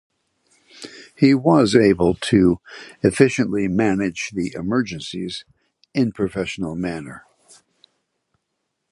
He was able to efficiently manage the emergencies in professional manner.